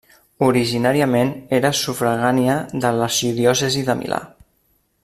Originalment era sufragània de l'arxidiòcesi de Milà.